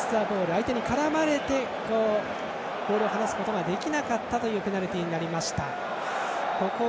相手に絡まれて、ボールを離すことができなかったというペナルティーになりました。